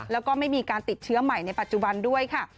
แล้วก็ไม่มีการติดเชื้อใหม่ในปัจจุบันด้วยค่ะ